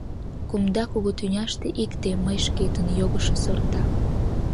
Кумда, кугу тӱняште — икте — Мый шкетын — йогышо сорта.